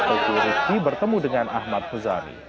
teguh rizki bertemu dengan ahmad huzani